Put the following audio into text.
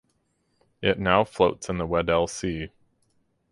It now floats in the Weddell Sea.